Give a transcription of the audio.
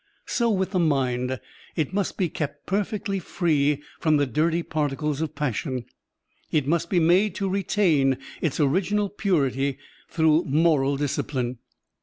So with the mind: it must be kept perfectly free from the dirty particles of passion, it must be made to retain its original ptirity through moral discipline.